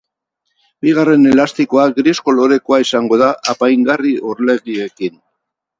Bigarren elastikoa gris kolorekoa izango da, apaingarri orlegiekin.